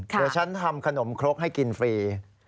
เดี๋ยวฉันทำขนมครกให้กินฟรี